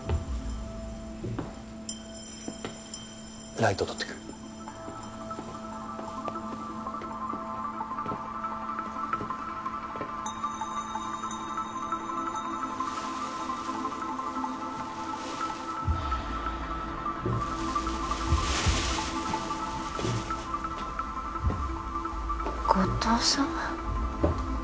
ライト取ってくる後藤さん？